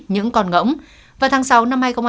những con ngỗng vào tháng sáu năm hai nghìn hai mươi một